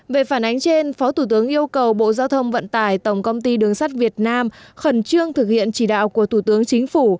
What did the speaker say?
về phản ánh trên phó thủ tướng yêu cầu bộ giao thông vận tải tổng công ty đường sắt việt nam khẩn trương thực hiện chỉ đạo của thủ tướng chính phủ